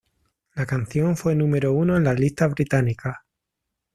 La canción fue número uno en las listas británicas.